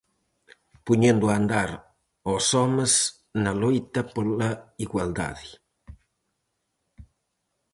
Poñendo a andar aos homes na loita pola igualdade.